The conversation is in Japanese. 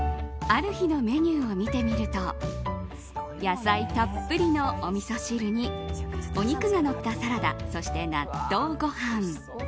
ある日のメニューを見てみると野菜たっぷりのおみそ汁にお肉がのったサラダそして、納豆ご飯。